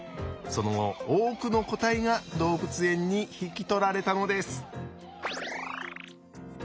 その後多くの個体が動物園に引き取られたのです。